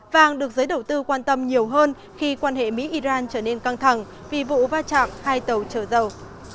vàng được giới đầu tư quan tâm nhiều hơn khi quan hệ mỹ iran trở nên căng thẳng vì vụ va chạm hai tàu chở dầu